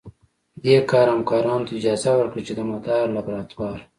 دې کار همکارانو ته اجازه ورکړه چې د مدار لابراتوار